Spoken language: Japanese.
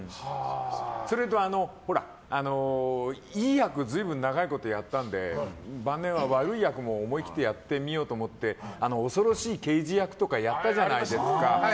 それと、いい役を随分長いことやったので晩年は悪い役も思い切ってやってみようと思って恐ろしい刑事役とかやったじゃないですか。